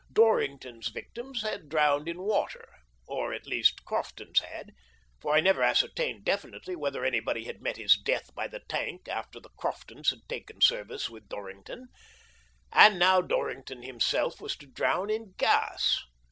Dorrington's victims had drowned in water — or at least Crofton's had, for I never ascertained definitely whether anybody had met his death by the tank after the Croftons had taken service with Dorrington — and now Dorrington himself was to drown in gas.